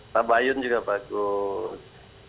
tabayun juga bagus